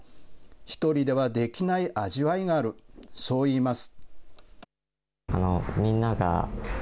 一人ではできない味わいがある、そう言います。